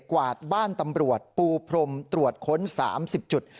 กวาดบ้านตำรวจปูพรมตรวจค้น๓๐จุด